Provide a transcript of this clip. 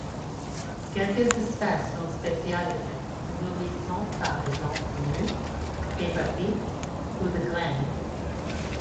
Quelques espèces sont spécialisées, se nourrissant par exemple de mousses, d'hépatiques ou de graines.